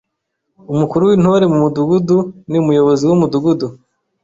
Umukuru w’Intore mu Mudugudu ni umuyobozi w’Umudugudu.